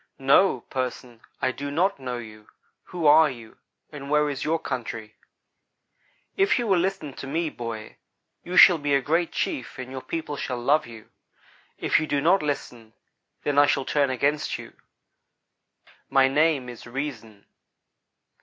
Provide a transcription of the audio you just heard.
"'No, "person," I do not know you. Who are you, and where is your country?' "'If you will listen to me, boy, you shall be a great chief and your people shall love you. If you do not listen, then I shall turn against you. My name is "Reason."'